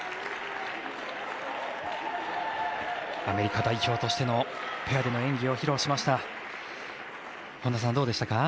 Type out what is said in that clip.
アメリカ代表としてのペアでの演技を披露しました。